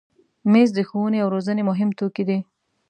مېز د ښوونې او روزنې مهم توکي دي.